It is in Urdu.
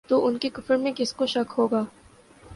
تو ان کے کفر میں کس کو شک ہوگا